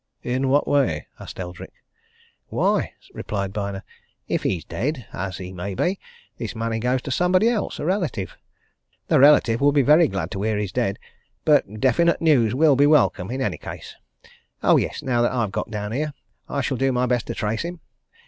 "In what way?" asked Eldrick. "Why," replied Byner, "if he's dead as he may be this money goes to somebody else a relative. The relative would be very glad to hear he is dead! But definite news will be welcome, in any case. Oh, yes, now that I've got down here, I shall do my best to trace him.